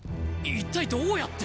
一体どうやって⁉